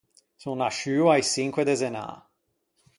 Son nasciuo a-i çinque de zenâ.